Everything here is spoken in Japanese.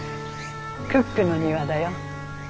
クックの庭だよ。